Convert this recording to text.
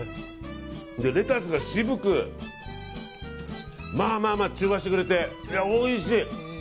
レタスが渋くまあまあ中和してくれておいしい！